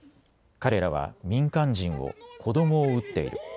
彼らは民間人を、子どもを撃っている。